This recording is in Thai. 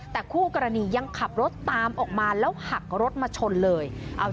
แต่คู่กรณียังขับรถตามออกมาแล้วหักรถมาชนเลย